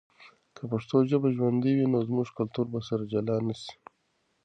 که پښتو ژبه ژوندی وي، نو زموږ کلتور به سره جلا نه سي.